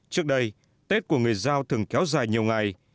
trước đây tết của người giao thường kéo dài nhiều ngày